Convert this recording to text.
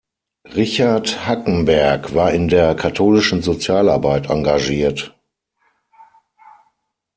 Richard Hackenberg war in der katholischen Sozialarbeit engagiert.